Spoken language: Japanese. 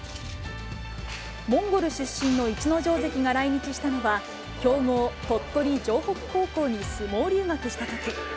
モンゴル出身の逸ノ城関が来日したのは、強豪、鳥取城北高校に相撲留学したとき。